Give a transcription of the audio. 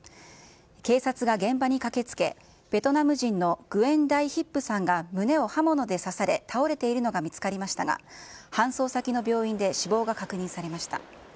警察が現場に駆けつけ、ベトナム人のグエン・ダイ・ヒップさんが胸を刃物で刺され、倒れているのが見つかりましたが、搬送先の病院で死亡が確認されました。